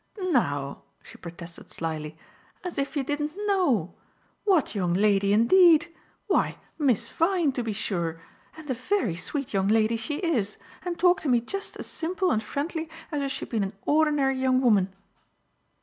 "Now," she protested slyly, "as if you didn't know! What young lady indeed! Why, Miss Vyne, to be sure; and a very sweet young lady she is, and talked to me just as simple and friendly as if she'd been an ordinary young woman."